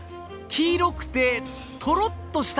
黄色くてトロッとした？